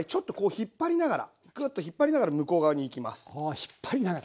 引っ張りながら。